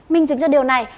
minh chứng cho điều này